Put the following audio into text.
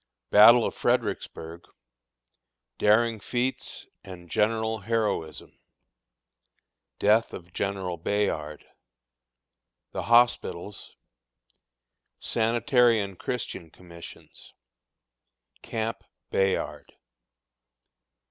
Battle of Fredericksburg Daring Feats and General Heroism. Death of General Bayard. The Hospitals. Sanitary and Christian Commissions. Camp "Bayard."